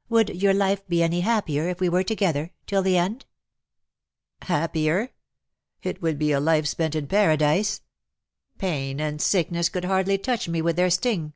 " Would your life be any happier if we were together — till the end?^' " Happier ? It would be a life spent in Paradise. 126 "love! thou art leading me Pain and sickness could hardly touch me with their sting."